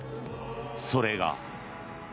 それが。